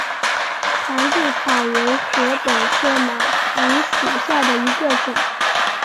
盘固草为禾本科马唐属下的一个种。